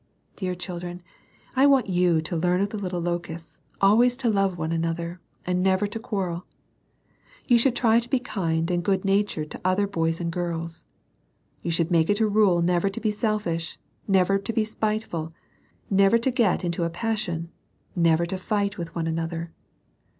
Dear children, I want you to learn of the little locusts always to love one another, and never to quarrel. You should try to be kind and good natured to other boys and girls. You should make it a rule never to be selfish, — never to be spiteful, — ^nefvei to g;^! into a pas LITTLE AND WISE. 53 sion, — never to fight with one another.